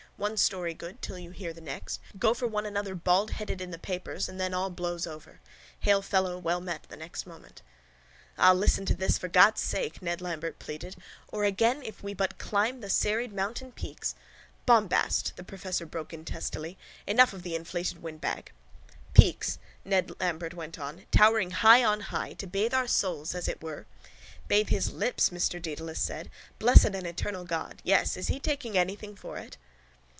One story good till you hear the next. Go for one another baldheaded in the papers and then all blows over. Hail fellow well met the next moment. —Ah, listen to this for God' sake, Ned Lambert pleaded. Or again if we but climb the serried mountain peaks... —Bombast! the professor broke in testily. Enough of the inflated windbag! —Peaks, Ned Lambert went on, towering high on high, to bathe our souls, as it were... —Bathe his lips, Mr Dedalus said. Blessed and eternal God! Yes? Is he taking anything for it?